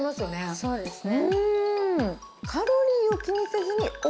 そうですね。